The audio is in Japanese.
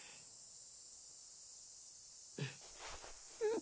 ん？